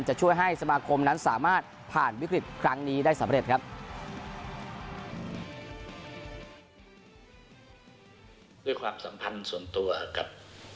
จะช่วยให้สมาคมนั้นสามารถผ่านวิกฤตครั้งนี้ได้สำเร็จครับ